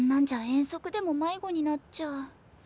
遠足でも迷子になっちゃう。